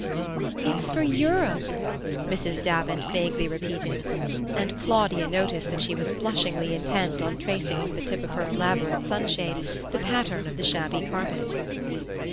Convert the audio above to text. "It's for Europe," Mrs. Davant vaguely repeated; and Claudia noticed that she was blushingly intent on tracing with the tip of her elaborate sunshade the pattern of the shabby carpet.